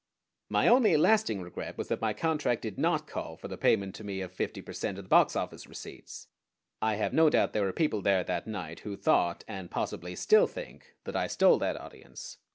My only lasting regret was that my contract did not call for the payment to me of fifty per cent. of the boxoffice receipts. I have no doubt there were people there that night who thought, and possibly still think, that I stole that audience.